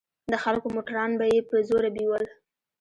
د خلکو موټران به يې په زوره بيول.